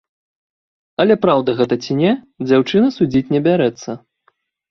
Але праўда гэта ці не, дзяўчына судзіць не бярэцца.